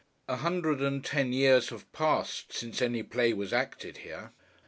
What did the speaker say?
A hundred and ten years have passed, since any play was acted here.